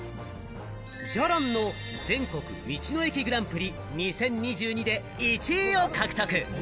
じゃらんの全国道の駅グランプリ２０２２で１位を獲得。